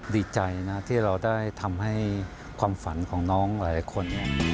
ดีใจนะที่เราได้ทำให้ความฝันของน้องหลายคน